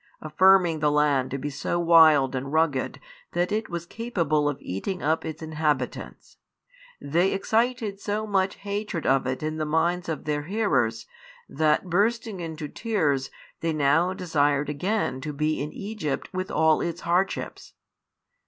Affirming the land to be so wild and rugged that it was capable of eating up its inhabitants, they excited so much hatred of it in the minds of their hearers, that bursting into tears they now desired again to be in Egypt with all its hardships.